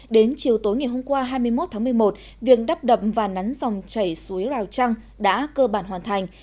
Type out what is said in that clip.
đến chiều tối ngày hôm qua hai mươi một tháng một mươi một việc đắp đập và nắn dòng chảy suối rào trăng đã cơ bản hoàn thành